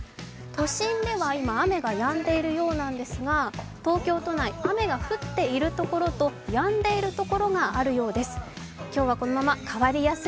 都心では今、雨がやんでいるようなんですが東京都内雨が降っている所とやんでいる所があるようです。